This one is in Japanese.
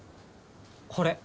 これ。